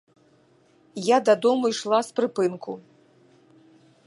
Я дадому ішла з прыпынку.